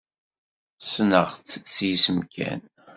Ssneɣ-tt s yisem kan.